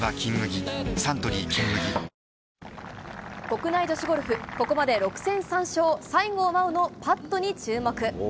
国内女子ゴルフ、ここまで６戦３勝、西郷真央のパットに注目。